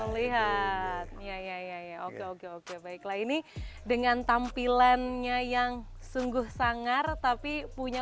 lihat ya ya oke oke oke baiklah ini dengan tampilannya yang sungguh sangar tapi punya